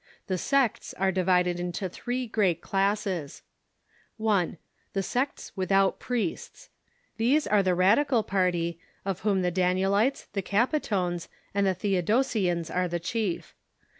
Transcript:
The sects are divided into three great classes : (1.) The sects without priests. These are the radical party, of whom the Danielites, the Capitones, and the Theodosians are the chief.